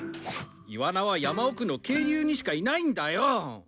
イワナは山奥の渓流にしかいないんだよ。